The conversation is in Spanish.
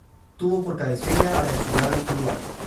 Tuvo por cabecera a la ciudad de Tuluá.